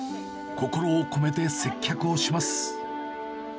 心を込めて接客をします。